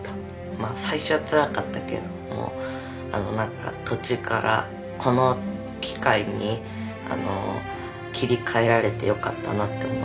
まあ最初はつらかったけどもう途中からこの機会に切り替えられてよかったなと思えるように。